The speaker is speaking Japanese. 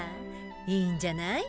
いいんじゃない？